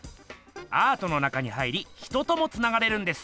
アートの中に入り人ともつながれるんです。